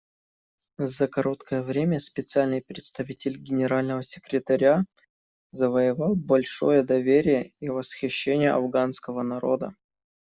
За короткое время Специальный представитель Генерального секретаря завоевал большое доверие и восхищение афганского народа.